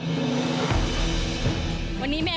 สวัสดีครับ